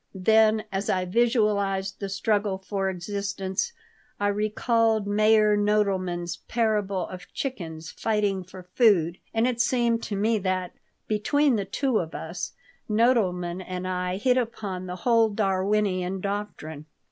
Then, as I visualized the Struggle for Existence, I recalled Meyer Nodelman's parable of chickens fighting for food, and it seemed to me that, between the two of us, Nodelman and I had hit upon the whole Darwinian doctrine.